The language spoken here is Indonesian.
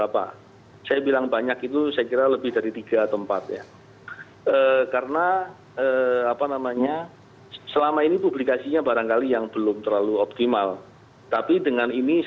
penyidik polri blikjan polisi muhammad iqbal mengatakan